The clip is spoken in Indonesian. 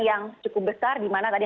yang cukup besar dimana tadi